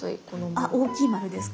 あ大きい丸ですか？